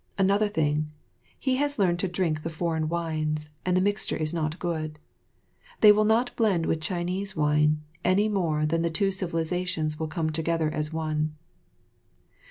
Another thing, he has learned to drink the foreign wines, and the mixture is not good. They will not blend with Chinese wine, any more than the two civilisations will come together as one.